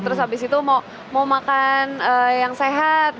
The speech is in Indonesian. terus habis itu mau makan yang sehat